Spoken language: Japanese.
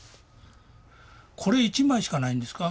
「これ１枚しかないんですか？